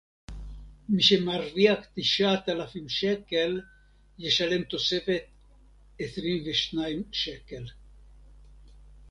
מי שמרוויח תשעת אלפים שקל ישלם תוספת עשרים ושניים שקל